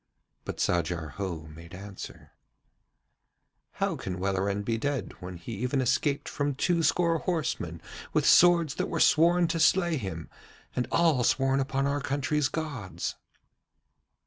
But Sajar Ho made answer: 'How can Welleran be dead when he even escaped from two score horsemen with swords that were sworn to slay him, and all sworn upon our country's gods?'